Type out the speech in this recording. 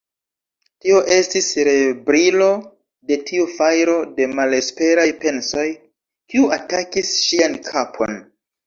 Tio estis rebrilo de tiu fajro de malesperaj pensoj, kiu atakis ŝian kapon.